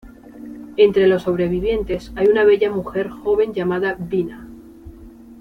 Entre los sobrevivientes hay una bella mujer joven llamada Vina.